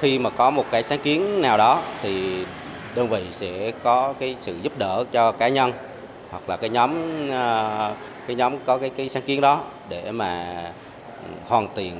khi mà có một cái sáng kiến nào đó thì đơn vị sẽ có cái sự giúp đỡ cho cá nhân hoặc là cái nhóm cái nhóm có cái sáng kiến đó để mà hoàn tiện